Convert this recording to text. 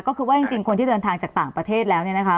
ก็คือว่าจริงคนที่เดินทางจากต่างประเทศแล้วเนี่ยนะคะ